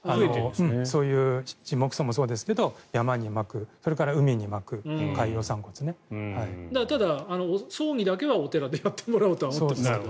そういう、樹木葬もそうですが山にまく、それから海にまくただ、葬儀だけはお寺でやってもらおうとは思ってますけど。